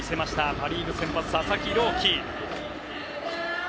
パ・リーグ先発、佐々木朗希。